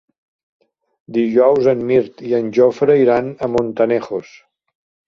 Dijous en Mirt i en Jofre iran a Montanejos.